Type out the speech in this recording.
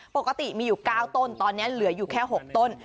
ปกติมีอยู่๙ต้นตอนนี้เหลืออยู่แค่๖ต้น